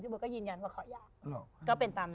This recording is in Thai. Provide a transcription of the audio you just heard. พี่โบ๊ยก็ยืนยันว่าเขาอยาก